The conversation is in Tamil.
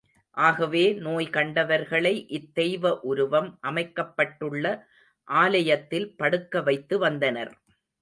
ஆகவே நோய் கண்டவர்களை இத்தெய்வ உருவம் அமைக்கப்பட்டுள்ள ஆலயத்தில் படுக்க வைத்து வந்தனர்.